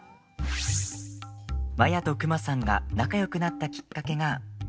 マヤとクマさんが仲よくなったきっかけが。